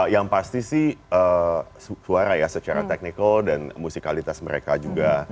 yang pasti sih suara ya secara teknikal dan musikalitas mereka juga